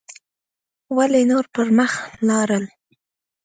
ولې نور پر مخ لاړل